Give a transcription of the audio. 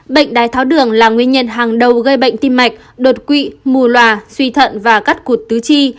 bệnh đái tháo đường là nguyên nhân hàng đầu gây bệnh tim mạch đột quỵ mù loà suy thận và cắt cụt tứ chi